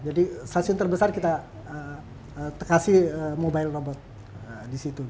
jadi stasiun terbesar kita kasih mobile robot di situ